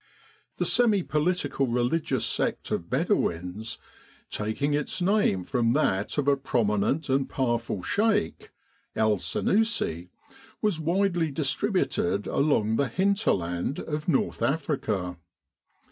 The semi political religious sect of Bedouins, taking its name from that of a prominent and power ful Sheik, El Sennussi, was widely distributed along the hinterland of North Africa.